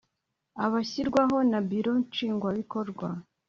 abashyirwaho na Biro Nshingwabikorwa